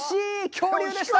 恐竜でした！